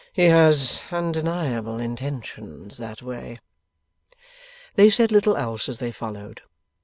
'He has undeniable intentions that way.' They said little else as they followed.